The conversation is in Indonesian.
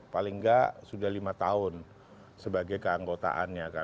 paling nggak sudah lima tahun sebagai keanggotaannya